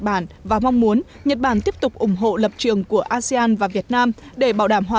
bản và mong muốn nhật bản tiếp tục ủng hộ lập trường của asean và việt nam để bảo đảm hòa